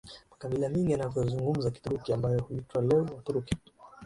Makabila mengi yanayozungumza Kituruki ambayo huitwa leo Waturuki